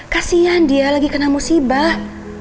kasian dia lagi kena musibah